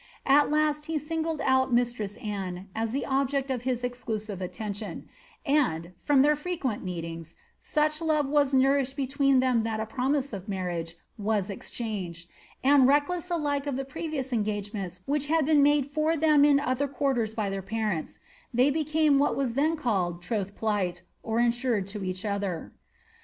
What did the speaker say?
At last he singled out mistresi Anne as the object of his exclusive attention, and, from Uieir frequent meetings, such love was nourished between them that a promise of ma^ riage was exchanged, and, reckless alike of the previous engagements which had been made for them in other quarters by their parents, they became what was then called troth plight, or insured to each other.'